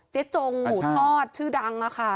เจ๊จงหูทอดชื่อดังนะคะ